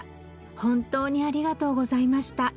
「ほんとうにありがとうございました」